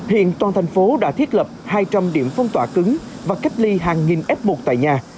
hiện toàn thành phố đã thiết lập hai trăm linh điểm phong tỏa cứng và cách ly hàng nghìn f một tại nhà